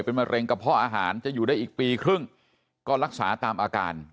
เป็นมะเร็งกระเพาะอาหารจะอยู่ได้อีกปีครึ่งก็รักษาตามอาการ